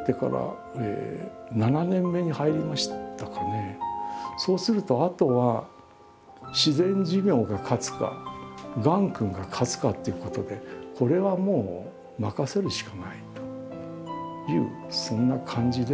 今そうするとあとは自然寿命が勝つかがん君が勝つかっていうことでこれはもう任せるしかないというそんな感じですね。